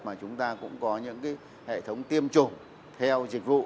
mà chúng ta cũng có những hệ thống tiêm chủng theo dịch vụ